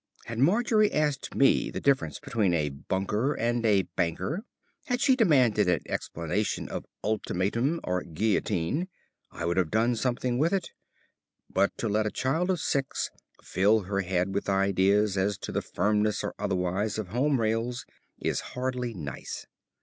Had Margery asked me the difference between a bunker and a banker, had she demanded an explanation of "ultimatum" or "guillotine," I could have done something with it; but to let a child of six fill her head with ideas as to the firmness or otherwise of Home Rails is hardly nice.